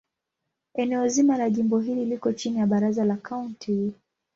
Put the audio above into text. Eneo zima la jimbo hili liko chini ya Baraza la Kaunti.